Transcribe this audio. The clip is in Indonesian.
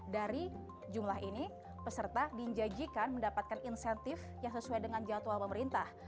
dari jumlah ini peserta dinjanjikan mendapatkan insentif yang sesuai dengan jadwal pemerintah